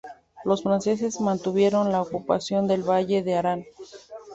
Los franceses mantuvieron la ocupación del Valle de Arán.